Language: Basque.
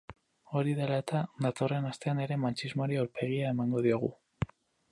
Hori dela eta, datorren astean ere matxismoari aurpegia emango diogu.